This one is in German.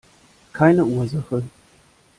Keine Ursache!